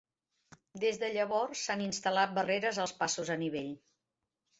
Des de llavors s'han instal·lat barreres als passos a nivell.